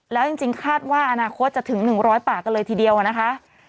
แล้วจริงคาดว่าอนาคตจะถึง๑๐๐ปากกันเลยทีเดียวนะคะ